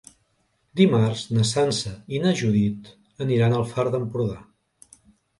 Dimarts na Sança i na Judit aniran al Far d'Empordà.